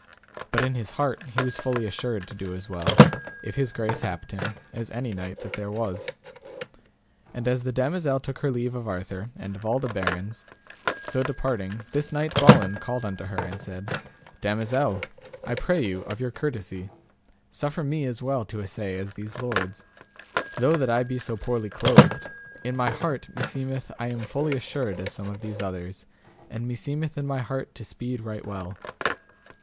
But in his heart he was fully assured to do as well, if his grace happed him, as any knight that there was. And as the damosel took her leave of Arthur and of all the barons, so departing, this knight Balin called unto her, and said, Damosel, I pray you of your courtesy, suffer me as well to assay as these lords; though that I be so poorly clothed, in my heart meseemeth I am fully assured as some of these others, and meseemeth in my heart to speed right well.